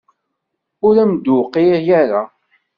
Ur am-d-tuqiɛ ara?